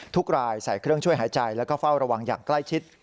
ทุกรายใส่เครื่องช่วยหายใจแล้วก็เฝ้าระวังอย่างใกล้ชิด